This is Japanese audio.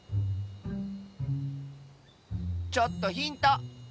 ちょっとヒント。